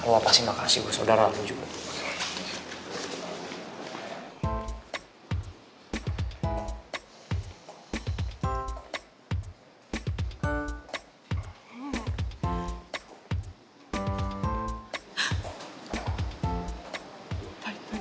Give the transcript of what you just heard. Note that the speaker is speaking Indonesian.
kalau apa sih makasih gue saudara lo juga